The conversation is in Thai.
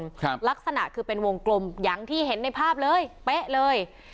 ครับลักษณะคือเป็นวงกลมอย่างที่เห็นในภาพเลยเป๊ะเลย